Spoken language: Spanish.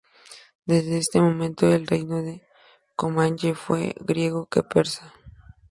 Desde este momento, el reino de Comagene fue más griego que persa.